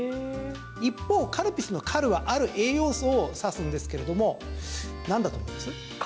一方、カルピスの「カル」はある栄養素を指すんですけれどもなんだと思います？